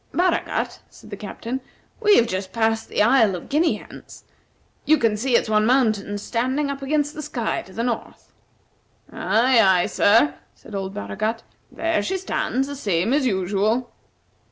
"Baragat," said the Captain, "we have just passed the Isle of Guinea Hens. You can see its one mountain standing up against the sky to the north." "Aye, aye, sir," said old Baragat; "there she stands, the same as usual."